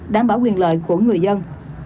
đảm bảo quyền lợi của người dân